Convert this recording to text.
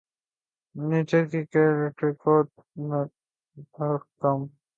نیپرا کی کے الیکٹرک کو نرخ کم کرنے کی ہدایت